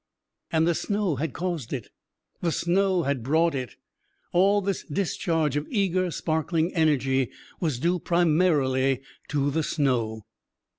And the snow had caused it, the snow had brought it; all this discharge of eager sparkling energy was due primarily to the Snow.